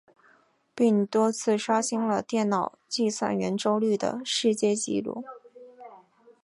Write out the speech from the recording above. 并多次刷新了电脑计算圆周率的世界纪录。